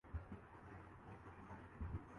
اپنوں کیخلاف لڑتے ہوئے شہید ہوئے